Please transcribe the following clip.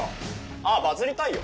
あぁバズりたいよ。